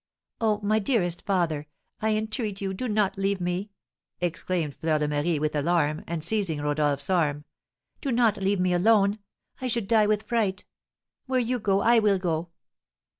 "Oh, my dearest father, I entreat you do not leave me!" exclaimed Fleur de Marie, with alarm, and seizing Rodolph's arm. "Do not leave me alone! I should die with fright! Where you go I will go!"